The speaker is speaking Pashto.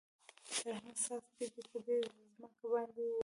د رحمت څاڅکي دې په دې ځمکه باندې وکره.